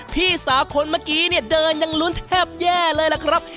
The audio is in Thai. พี่สาขนเมื่อกี้เดินอย่างลุ้นแทบแย่เลยล่ะครับ